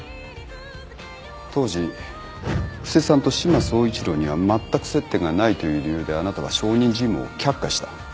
当時布施さんと志摩総一郎にはまったく接点がないという理由であなたは証人尋問を却下した。